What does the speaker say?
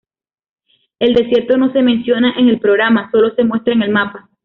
El desierto no se menciona en el programa, sólo se muestra en el mapa.